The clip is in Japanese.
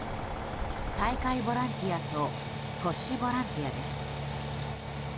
大会ボランティアと都市ボランティアです。